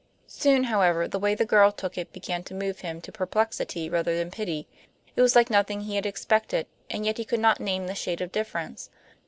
Soon, however, the way the girl took it began to move him to perplexity rather than pity. It was like nothing he had expected, and yet he could not name the shade of difference.